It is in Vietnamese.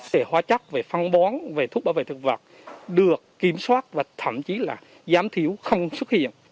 trẻ hóa chất về phân bón về thuốc bảo vệ thực vật được kiểm soát và thậm chí là giám thiếu không xuất hiện